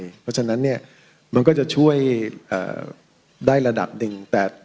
เพราะฉะนั้นเนี่ยมันก็จะช่วยได้ระดับหนึ่ง